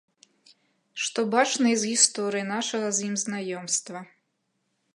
Што бачна і з гісторыі нашага з ім знаёмства.